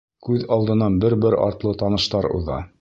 Күҙ алдынан бер-бер артлы таныштар уҙа.